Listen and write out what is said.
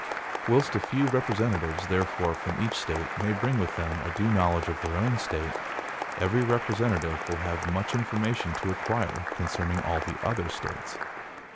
Whilst a few representatives, therefore, from each State, may bring with them a due knowledge of their own State, every representative will have much information to acquire concerning all the other States.